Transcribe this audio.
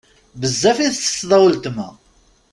Bezzaf i ttetteḍ a wletma.